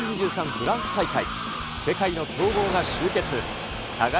フランス大会。